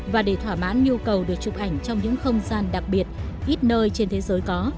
và để thỏa mãn nhu cầu được chụp ảnh trong những không gian đặc biệt ít nơi trên thế giới có